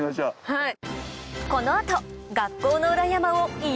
はい。